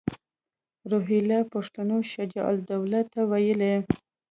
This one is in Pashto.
روهیله پښتنو شجاع الدوله ته ویلي.